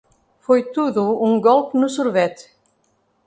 Foi tudo um golpe no sorvete.